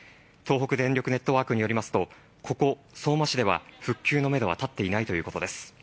東北電力ネットワークによりますと、ここ相馬市では復旧のめどは立っていないということです。